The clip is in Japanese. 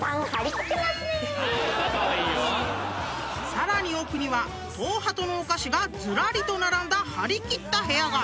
［さらに奥には東ハトのお菓子がずらりと並んだ張り切った部屋が］